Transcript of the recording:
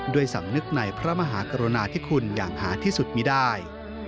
สำนึกในพระมหากรุณาที่คุณอย่างหาที่สุดมีได้